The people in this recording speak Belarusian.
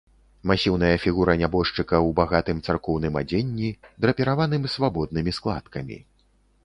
Масіўная фігура нябожчыка у багатым царкоўным адзенні, драпіраваным свабоднымі складкамі.